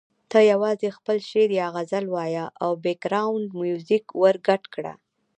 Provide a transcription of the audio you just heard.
ته یوازې خپل شعر یا غزل وایه او بېکګراونډ میوزیک ورګډ کړه.